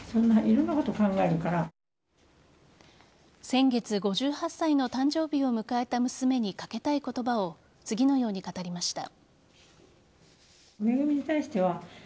先月５８歳の誕生日を迎えた娘にかけたい言葉を次のように語りました。